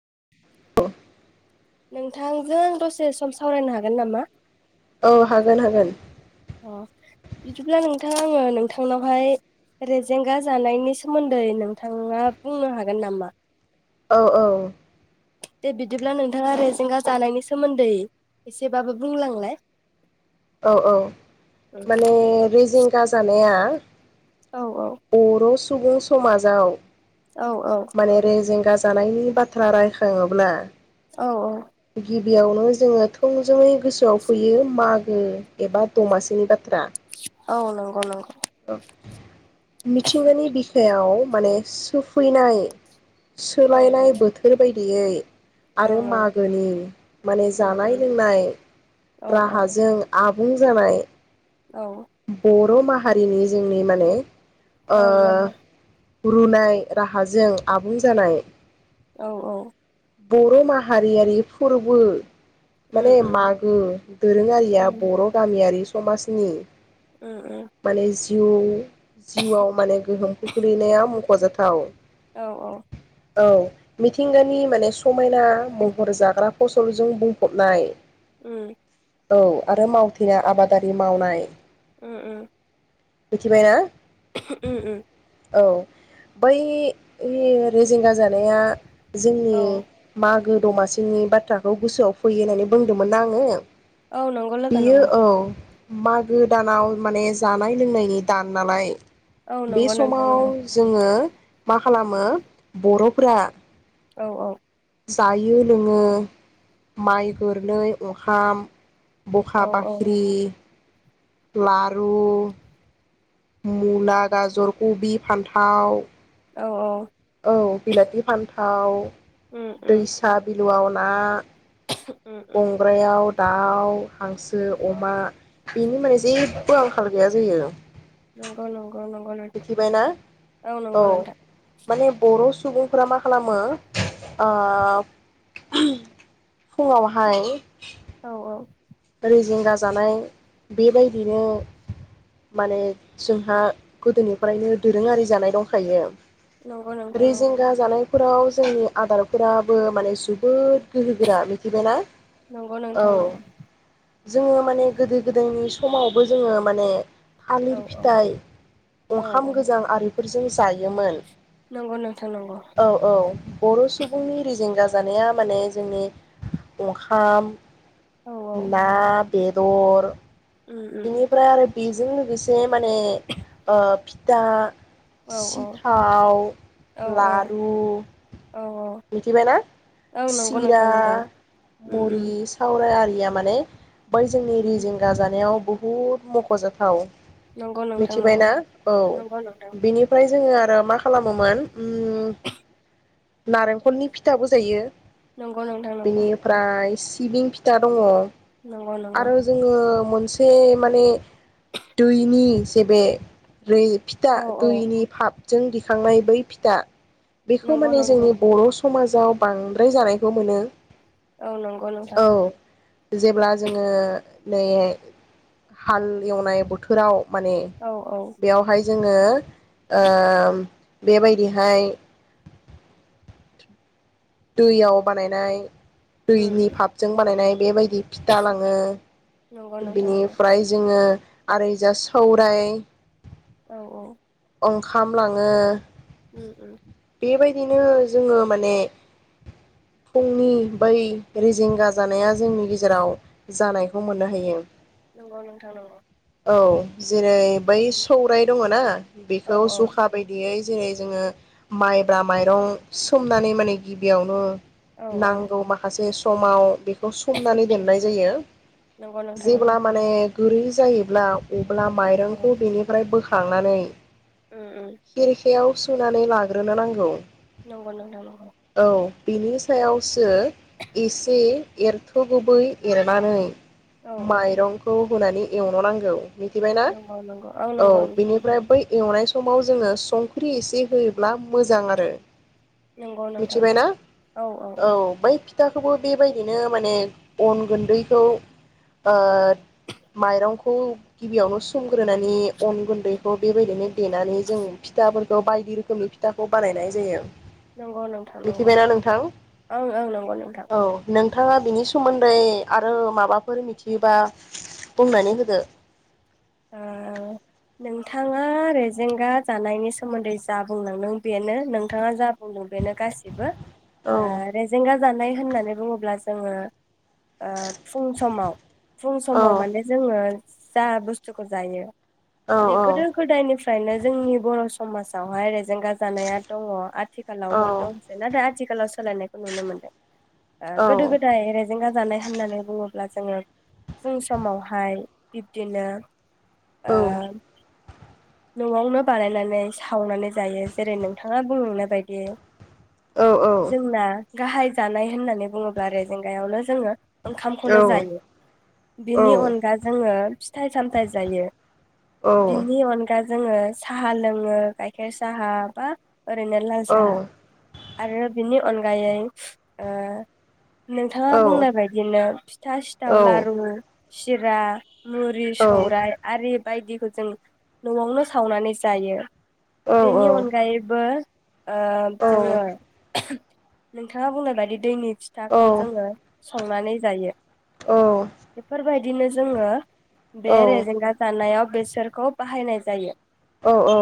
[inaudible] नोंथांजों आं दसे सम सावरायनो हागोन नामा? औ हागोन हागोन । अ बिदिब्ला नोंथां आङो नोंथांनावहाय रेजेंगा जानायनि सोमोन्दै नोंथाङा बुंनो हागोन नामा? औ औ । दे बिदिब्ला नोंथाङा रेजेंगा जानायनि सोमोन्दै एसेबाबो बुंलांलाय । औ औ माने रेजिं दाजानाया औ बर स सुबुं समाजाव औ औ माने रेजें गाजानायनि बाथ्रा रायखाङोब्ला औ औ गिबियावनो जोङो थोंजोङै गोसोआव फैयो मागो एबा दमासिनि बाथ्रा औ नंगौ नंगौ। मिथिंगानि बिखायाव माने सुफैनाय औ सोलायनाय बोथोर बायदि बेयै औ ओ । माने जानाय लोंनाय औ राहाजों आबुं जानाय औ । बर' माहारिनि जोंनि माने ओं ओ रुनाय राहाजों आबुं जानाय औ औ बर' माहारियारि फोरबो उम माने उम मागो दोरोङारिया उम बर' गामियारि समाजनि उम उम। माने जिउ जिउआव माने गोहोम खोख्लैनायाव फजाथाव औ औ। औ मिथिंगानि माने समायना महर जाग्रा फसलजों बुंफबनाय उम। औ आरो मावथिना आबादारि मावनाय। उम उम। मिथिबायना? उम उम। औ बै रे-रेजेंगा जानाया जोंनि औ माग गो दमासिनि बाथ्राखौ गोसोआव फैयो होननानै बुंदोंमोन ना आङो? औ नंगौ लोगो बियो नंगौ। औ मागो दान नाव माने जानाय लोंनायनि दान नालाय औ बे नंगौ नोंथां समाव नंगौ जोङो मा खालामो बर'फ्रा औ औ। जायो लोङो माइ गोरनै अंखाम बखा औ बाख्रि लारु मुला गाजर खबि फान्थाव औ औ। थाव उम उम दैसा बि न'आव ना उम उम गंग्रायाव दाउ हांसो नंगौ अमा बेनि माने जे बो आंखाल गैया जायो। नोंगौ नों गौ नंगौ नोंथां मिथिबायना औ नंगौ नोंथां। माने बर' सुबुंफोरा मा खालामो ओ फुङावहाय औ औ। रेजेंगा जानाय बेबायदिनो माने जोंहा गोदोनिफ्रायनो दोरोङारि जानाय दंखायो। नंगौ नोंथौ नंगौ। फोराव जोंनि आदारफोराबो माने जोबोद गोहोगोरा मिथिबायना। नंगौ औ नोंथां नंगौ। जोङो माने गोदो गोदायनि समावबो जोङो माने औ थालिर औ फिथाइ औ औ ओंखाम गोजां आरि फोरजों जायोमोन। नंगौ नोंथां नंगौ। औ औ बर' सुबुंनि रेजेंगा जानाया माने जोंनि ओंखाम औ औ ना बेद'र उम उम बेनिफ्राय आरो बेजों लोगोसे माने ओ फिथा, औ औ सिथाव, औ लारु औ औ मिथिबायना औ नंगौ सिरा, नोंथां नंगौ उम मुरि, उम सौराय आरि या माने बै जोंनि उम रेजेंगा जानायाव बचहुद मख'जाथाव। नंगौ नोंथां नंगौ मिथिबायना औ नंगौ नोंथां बिनिफ्राय जोङो आरो मा खालामोमोन उम नारेंखलनि फिथाबो जायो। नंगौ नोंथां नंगौ। बेनिफ्राय सिबिं फिथा दङ। नंगौ नंगौ आरो जोङो बे माने दैनि जे बे रे फिथा औ औ दैनि फाप जों दिखांनाय बै फिथा बेखौ नंगौ माने नंगौ जोंनि बर' समाजाव बांद्राय जानायखौ मोनो। औ नंगौ नोंथां औ जेब्ला जोङो [inaudible] हाल एवनाय बोथोराव माने औ औ बेयावहाय जोङो ओ बेबायदिहाय दैयाव बानायनाय उम दैनि उम फापजों बानायनाय एबायदि फिथा नंगौ लाङो नोंथां नंगौ बिनिफ्राय जोङो आरो जा सौराय औ औ ओंखाम लाङो उम उम बेबायदिनो जोङो माने फुंनि बै रेजेंगा जानाया जोंनि गेजेराव जानाय बेखौ मोननो हायो नंगौ नोंथां नगौ औ जेरै बै सौराय दङ ना औ बेखौ जुखा बायदि जेरै जोङो माइब्रा माइरं सोमनानै माने गिबियावनो औ औ नांगौ माखासे स समाव बे खौ सोमनानै उम दोन्नाय उम जायो नंगौ नोंथां जेब्ला नंगौ माने गुरै जायोब्ला अब्ला औ औ माइरंखौ बेनिफ्राय बो खांनानै उम उम खिरखायाव सुनानै लाग्रोनो नांगौ नंगौ नोंथां नंगौ औ बिनि सायावसो एसे एरथ'गै एरनानै औ औ माइरंखौ होनानै एवनो नांगौ मिथिबायना नंगौ नंगौ औ नंगौ नोंथां बिनिफ्राय बै संनाय समाव जोङो संख्रि एसे होयोब्ला मोजां आरो नंगौ नोंथां औ औ औ खोथाखौबो बेबायदिनो माने अन गुन्दैखौ ओ माइरंखौ गिबियावनो सोमग्रोनानै अन गुन्दैखौ बे बेबायदिनो देनानै जों फिथाफोरखौ बायदि रोखोमनि फिथाखौ बानायनाय जायो नंगौ नोंथां नंगौ मिथिबायना नोंथां ओं ओं नंगौ नोंथां थाङा बिनि सोमोन्दै आरो माबाफोर मिथि बेबा बुंनानै होदो नोंथाङा रेजेंगा जानायनि सोमोन्दै जा बुंलांदों बेनो नोंथाङा जा बुंदों बेनो गासिबो औ ए रेजेगा जानाय होननानै बुङोब्ला जोङो ओ फुं समाव फुं समाव माने जोङो जा बुस थुखौ जायो औ माने औ गोदो गोदायनि फ्राय फ्रायनो जोंनि बर' समाजावहाय जेंगा जानाया दङ आथिखालावबो औ दंसै ना दा थिखालाव सोलायनायखौ नुनो औ मोनदों गोदो गोदाय रायेजेंगा जानाय होननानै बुङो ब्ला जोङो फुं समावहाय बिब्दिनो ओ न'आवनो बानायनानै सावनानै जायो जेरै नोंथाङा [unintelligible] बायदि जोंना गाहाय जानाय होननानै बुङोब्ला रेजेंगायावनो जोङो ओंखामखौनो जायो बिनि अनगा जोङो फिथाइ सामथाइ जायो बिनि अनगा गा जोङो साहा लोङो गायखेर साहा बा ओरैनो लाल साहा आरो बिनि अनगायै ओ नोंथाङा औ बुंनाय बायदिनो फिथा, सिथाव, लारु सिरा मुरिस सौराय आरि बायदिखौ जों न'आवनो सावनानै जायो बेनि अनगायैबो ओ जोङो नोंथाङा बुंनाय बायदि दैनि फिथाखौ जोङो संनानै जायो औ दिनो जोङो बे रेजेंगा जानायाव बेसोरखौ बाहायनाय जायो। औ औ।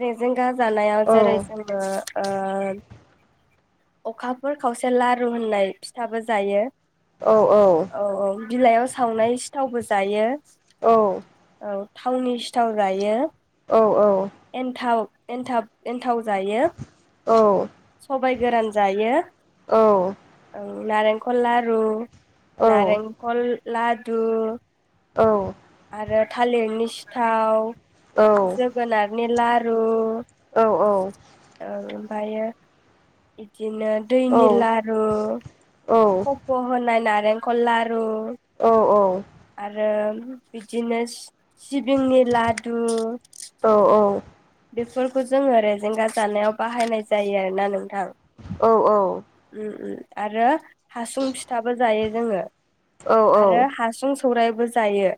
रेजें गा जानाया जेरै जोङो ओ अखाफोर खावसे लारु होननाय फिथाबो जायो। औ औ। बिलाइआव सावनाय सि थावबो जायो। औ। औ थावनि सिथाव जायो। औ औ। एन्थाब एन थाव जायो सब सबाय गोरान जायो। औ। औ नारेंखल लारु नारेंखल लाद दु औ। थालिरनि सिथाव जोगोनारनि ला रु औ औ ओमफ्रायो बिदि बिदिनो दैनि लारु खफ' होनाय नार लेंखर लारु औ औ बिदिनोस सिबिंनि लादु बेफोरखौ जोङो रेजेंगा जानायाव बाहायनाय जायो आरोना नोंं थां उम उम आरो हासुं फिथाबो जायो। जोङो आरो हासुं सौरायबो जायो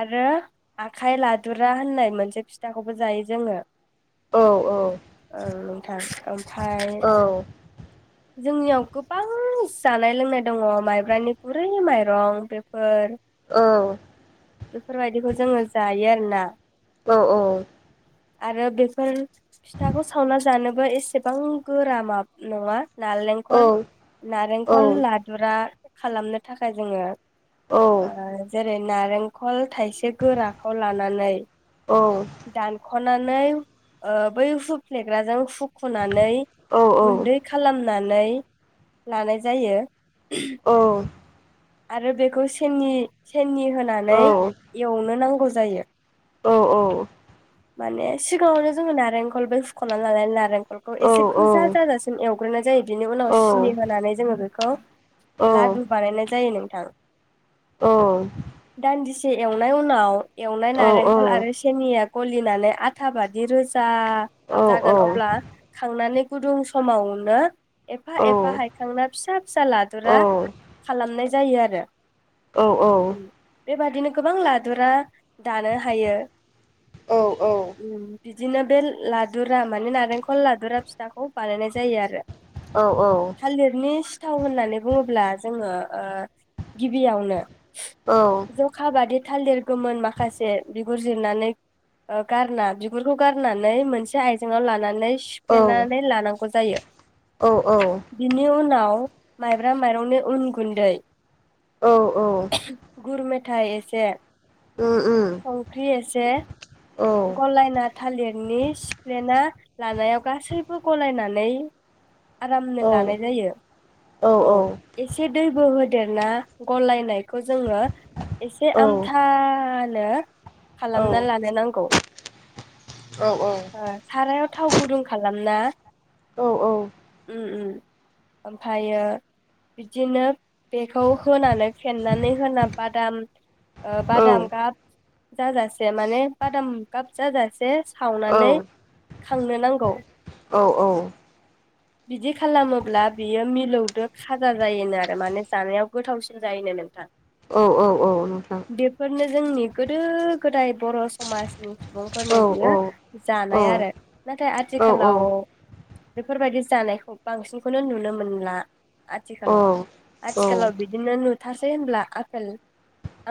आरो आखाइ लादुरा होननाय मोनसे फिथा खौबो जायो जोङो । औ नोंथां ओमफाय जोंनियाव गोबां जानाय लोंनाय दङ माइब्रानि गुरै माइरं बेफोर बेफोरबायदिखो जोङो जायो आर ना औ औ । आरो बेफोर फिथाखौ सावना जानोब बो एसेबां गोरामाब नङा नालेंखर नारेंखल लादुरा खालामनो थाखाय जोङो औ औ औ ओ जेद नारेंखल थाइसे गोराखौ लानानै औ दानख'नानै ओ बै हुफ्लेग्राजों हुख खनानै औ औ गुन्दै खालाम नानै लानाय जायो [unintelligible] आरो बेखौ सेननि सेनि होनानै एवनो नांगौ जायो औ औ । माने सिगाङावनो जोङो नारेंखलबो सुख'नानै लानानै नारेंख रखौ एसे गोजा जाजासिम एव ग्रुना जायो बिनि उनाव सिनि होनानै जोङो बेखौ लादु बानायनाय ज जायो नोंथां । औ । से एवनाय उनाव एवनाय नारेंखल आरो सेनिया ग'लिनानै आथा बादि रोजा जा जागोन अब्ला खांनानै गुदुं समावनो एफा एफा हायखांना फिसा फिसा लादुरा मोननाय जायो आरो। औ औ बेबादिनो गोबां लादुरा दानो हायो ओम बिदिनो बे लादुरा माने नारेंखल लादुरा फिथाखौ बानायनाय जायो आरो थालेरनि सि थाव होननानै बुङोब्ला जोङो ओ गिबियावनो जखा बादि थालेर गोमोन माखासे बिगुर जिरनानै ओ गारना बिगुरखौ गारनानै मोनसे आयजेङाव लानानै औ सिफ्लेनानै लानां गौ जायो औ औ उम औ औ बिनि उनाव माइब्रा माइरंनो उन गुन्दै गुरमे मेथाय एसे संख्रि एसे गलायना थालिरनि सिफ्लेना लानायाव गासैबो गलायनानै आरामनो लानाय जायो औ एसे दैबो हो देरना गलायनायखौ जोङो एसे आमथा नो खालामना लानो नांगौ। ओ सारायाव थाव गुदुं खालामना औ औ ओम ओम ओमफायो बिदिनो बेखौ होनानै फेन्नानै होना बादाम ओ बादाम गाब जाजासे माने बादाम गाब जाजासे खावनानै खांनो नांगौ। औ औ बिदि खालामोब्ला बियो मिलौदो खाजा जायोनो आरो माने जानायाव गोथावसिन जायोनो नोंथां। औ औ औ नोंथां। बेफोरनो जोंनि गोदो गोदाय बर' समाज औ सुबुंफोरनि औ औ बियो जानाय आरो नाथाय आथिखालाव बेफोरबायदि जानायखौ बांसिनखौनो नुनो मोनला। औ आथिखालाव औ आथिखालाव बिदिनो नु थासै होनब्ला आपेल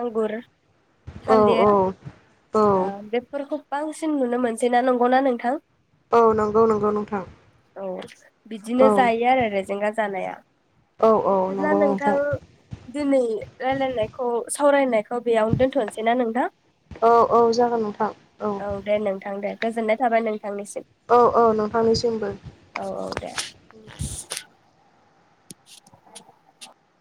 आंगुर औ औ औ [unintelligible] खौ बांसिन नुनो मोनसैना नंगौना नोंथां? औ नंगौ नंगौ नोंथां। औ। बिदिनो औ जायो आरो रेजेंगा जानाया। औ औ नंगौ नोंथां। दिनै रायलायनायखौ सावरायनायखौ बेयावनो दोनथ'नोसैना नोंथां? औ औ जागोन नोंथ औ दे नोंथां दे। गोजोन्नाय थाबाय नों औ औ नोंथांनिसिमबो। [inaudible] [inaudible]